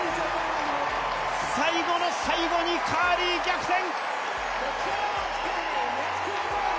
最後の最後にカーリー逆転。